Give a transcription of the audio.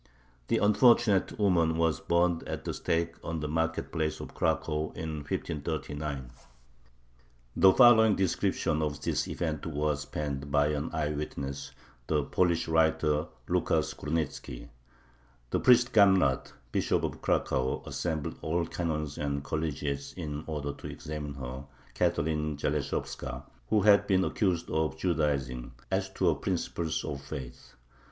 The unfortunate woman was burned at the stake on the market place of Cracow in 1539. The following description of this event was penned by an eye witness, the Polish writer Lucas Gurnitzki: The priest Gamrat, Bishop of Cracow, assembled all canons and collegiates in order to examine her [Catherine Zaleshovska, who had been accused of "Judaizing"] as to her principles of faith.